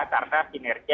karena kita bisa melihatnya